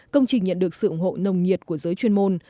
công trình nhận được sự ủng hộ nồng nhiệt của giới chuyên môn